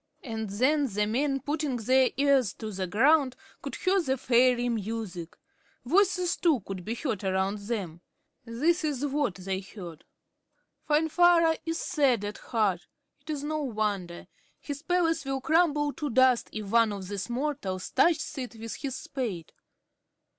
And then the men, putting their ears to the ground, could hear fairy music. Voices, too, could be heard around them. This is what they heard: "Finvarra is sad at heart. It is no wonder. His palace will crumble to dust, if one of these mortals touches it with his spade."